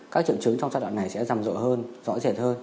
các triệu chứng trong giai đoạn này sẽ rầm rộ hơn rõ rệt hơn